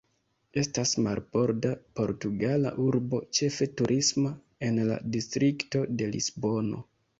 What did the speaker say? Estas marborda portugala urbo, ĉefe turisma, en la distrikto de Lisbono.